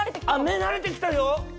目慣れてきたよ